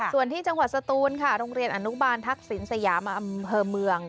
ส่วนที่จังหวัดสตูนค่ะโรงเรียนอนุบาลทักษิณสยามอำเภอเมือง